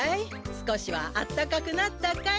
少しはあったかくなったかい？